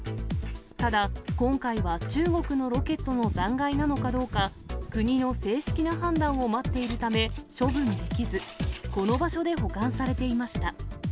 ただ、今回は中国のロケットの残骸なのかどうか、国の正式な判断を待っているため、処分できず、この場所で保管されていました。